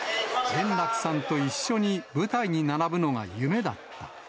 圓楽さんと一緒に舞台に並ぶのが夢だった。